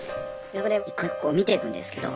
そこで一個一個見てくんですけど。